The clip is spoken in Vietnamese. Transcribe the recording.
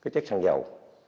cái chất thang dầu